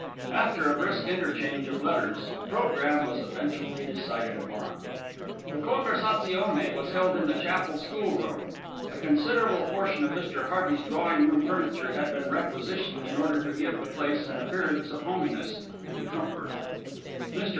After a brisk interchange of letters, a programme was eventually decided upon. The conversazione was held in the Chapel school room. A considerable portion of Mr. Hearty's drawing room furniture had been requisitioned in order to give to the place an appearance of "homeiness" and comfort. Mr.